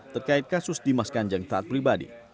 terkait kasus dimas kanjeng taat pribadi